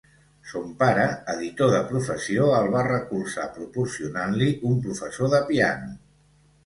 Son pare, editor de professió, el va recolzar proporcionant-li un professor de piano.